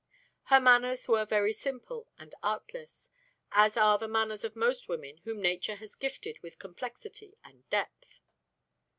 Her manners were very simple and artless, as are the manners of most women whom Nature has gifted with complexity and depth.